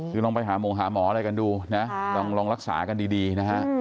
คือลองไปหามงหาหมออะไรกันดูนะลองรักษากันดีนะฮะ